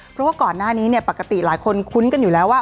เพราะว่าก่อนหน้านี้ปกติหลายคนคุ้นกันอยู่แล้วว่า